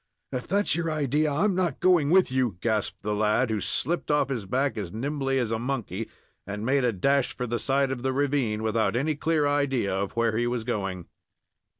"If that's your idea, I'm not going with you!" gasped the lad, who slipped off his back, as nimbly as a monkey, and made a dash for the side of the ravine, without any clear idea of where he was going.